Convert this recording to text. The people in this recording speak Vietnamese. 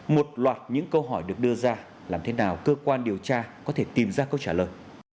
một loạt những câu hỏi được đưa ra làm thế nào cơ quan điều tra có thể tìm ra câu trả lời